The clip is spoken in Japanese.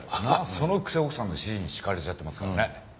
そのくせ奥さんの尻に敷かれちゃってますからね。